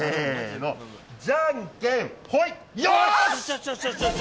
じゃんけんぽん！